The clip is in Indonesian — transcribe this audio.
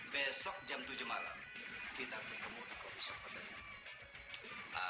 besok jam tujuh malam kita berkembang di coffee shop kembali